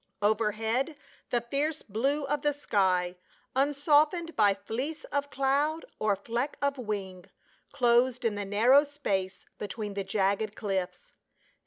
Overhead the fierce blue of the sky, unsoftened by fleece of cloud or fleck of wing, closed in the narrow space between the jagged cliffs.